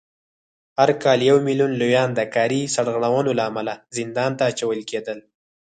هر کال یو میلیون لویان د کاري سرغړونو له امله زندان ته اچول کېدل